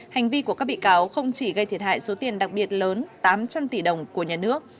hành vi của các bị cáo không chỉ gây thiệt hại số tiền đặc biệt lớn tám trăm linh tỷ đồng của nhà nước